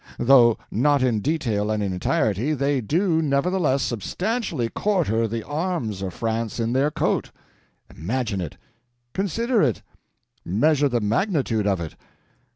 Though not in detail and in entirety, they do nevertheless substantially quarter the arms of France in their coat. Imagine it! consider it! measure the magnitude of it!